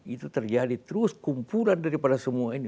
itu terjadi terus kumpulan daripada semua ini